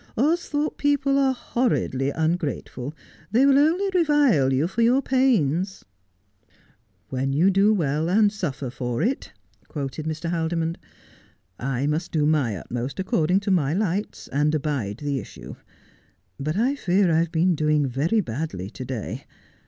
' Austhorpe people are horridly ungrateful. They will only revile you for your pains.' 230 Just as I Am. '" When you do well and suffer for it," ' quoted Mr. Haldi mond. ' I must do my utmost according to my lights, and abide the issue. But I fear I have been doing very badly to day.